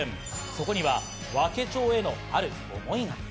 そこには和気町へのある思いが。